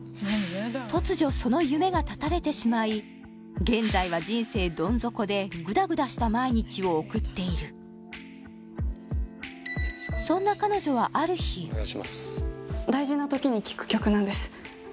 突如その夢がたたれてしまい現在は人生どん底でグダグダした毎日を送っているそんな彼女はある日大事なときに聴く曲なんです